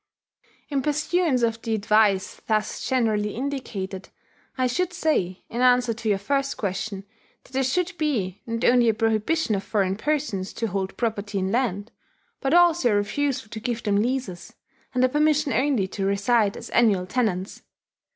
In pursuance of the advice thus generally indicated, I should say, in answer to your first question, that there should be, not only a prohibition of foreign persons to hold property in land, but also a refusal to give them leases, and a permission only to reside as annual tenants.